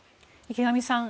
池上さん